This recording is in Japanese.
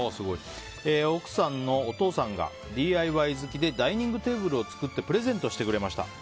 奥さんのお父さんがＤＩＹ好きでダイニングテーブルを作ってプレゼントしてくれました。